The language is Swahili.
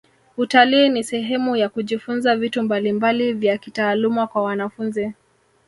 utalii ni sehemu ya kujifunza vitu mbalimbali vya kitaaluma kwa wanafunzi